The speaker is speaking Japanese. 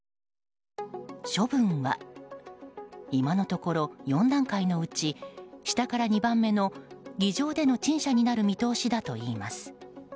処分は、今のところ４段階のうち下から２番目の議場での陳謝になる見通しだといいます。